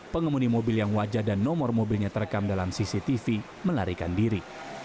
pengemudi mobil yang wajah dan nomor mobilnya terekam dalam cctv melarikan diri